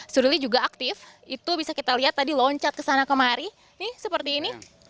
surili juga aktif itu bisa kita lihat tadi loncat ke sana kemari nih seperti ini